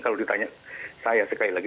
kalau ditanya saya sekali lagi